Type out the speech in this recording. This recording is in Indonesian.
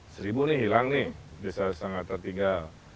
seribu ini hilang nih desa sangat tertiga